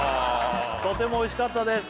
「とてもおいしかったです